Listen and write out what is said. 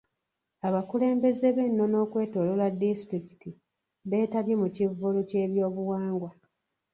Abakulembeze b'ennono okwetoloola disitulikiti beetabye mu kivvulu ky'ebyobuwangwa.